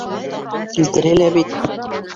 Килтерелә бит!